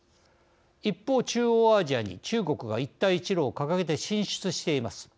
一方、中央アジアに中国が一帯一路を掲げて進出しています。